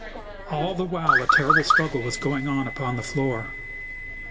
All the while a terrible struggle was going on upon the floor.